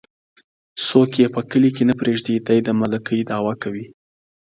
څوک يې په کلي کې نه پرېږدي ،دى د ملکۍ دعوه کوي.